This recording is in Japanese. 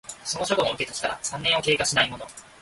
その処分を受けた日から三年を経過しないもの